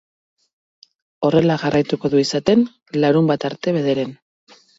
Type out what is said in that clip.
Horrela jarraituko du izaten, larunbata arte bederen.